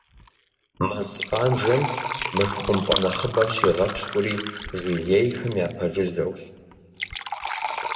Мэз къанжэм мышхумпӏэ нэхъыбэр щигъэпщкӏури жыгейхэм япэжыжьэущ.